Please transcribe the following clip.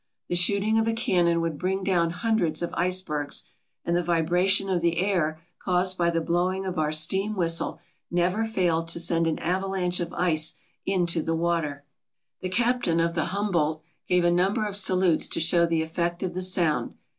The shooting of a cannon would bring down hundreds of icebergs, and the vibration of the air caused by the blowing of our steam whistle never failed to send an avalanche of ice into the water. 89 ALASKA OUR NORTHERN WONDERLAND The captain of the Humboldt gave a number of salutes to show the effect of the sound.